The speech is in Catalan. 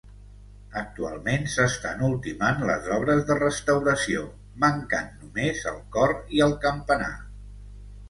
Actualment s'estan ultimant les obres de restauració, mancant només el cor i el campanar.